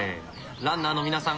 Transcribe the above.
ランナーの皆さん